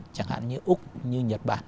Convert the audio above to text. chẳng hạn như úc nhật bản